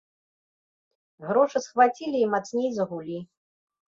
Грошы схвацілі і мацней загулі.